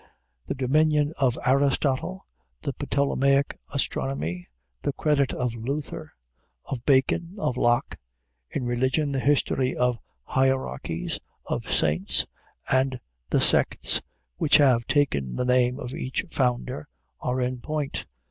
The dominion of Aristotle, the Ptolemaic astronomy, the credit of Luther, of Bacon, of Locke, in religion, the history of hierarchies, of saints, and the sects which have taken the name of each founder, are in point.